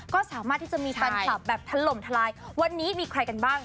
ก็สามารถที่จะมีแฟนคลับแบบถล่มทลายวันนี้มีใครกันบ้าง